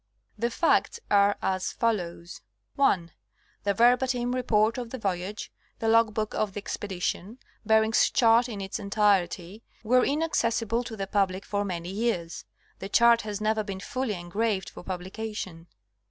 The facts are as follows : (1) The verbatim Report of the voyage, the eben of the expedition, Bering's chart in its entirety, were inaccessible to the public for many years; the chart has never been fully engraved for publication.